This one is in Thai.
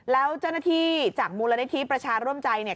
แล้วเจ้าหน้าที่จากมูลนิธิประชาร่วมใจเนี่ย